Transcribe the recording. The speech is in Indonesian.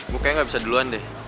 gue kayaknya gak bisa duluan deh